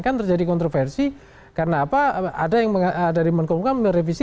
kan terjadi kontroversi karena ada yang mengumumkan merevisi